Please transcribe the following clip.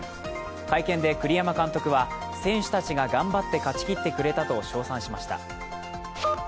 会見で栗山監督は選手たちが頑張って勝ちきってくれたと称賛しました。